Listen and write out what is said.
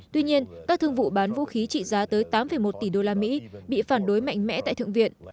tuy nhiên các thương vụ bán vũ khí trị giá tới tám một tỷ đô la mỹ bị phản đối mạnh mẽ tại thượng viện